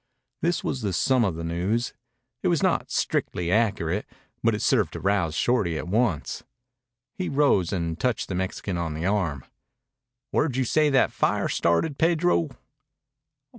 This was the sum of the news. It was not strictly accurate, but it served to rouse Shorty at once. He rose and touched the Mexican on the arm. "Where you say that fire started, Pedro?"